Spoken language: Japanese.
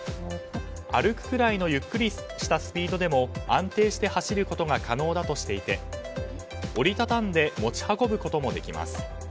歩くくらいのゆっくりしたスピードでも安定して走ることが可能だとしていて折り畳んで持ち運ぶこともできます。